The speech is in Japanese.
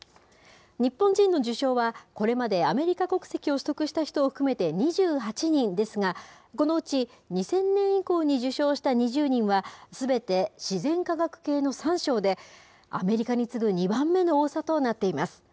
日本人の受賞は、これまでアメリカ国籍を取得した人を含めて２８人ですが、このうち２０００年以降に受賞した２０人は、すべて自然科学系の３賞でアメリカに次ぐ２番目の多さとなっています。